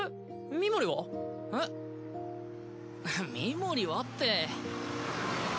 ミモリはって。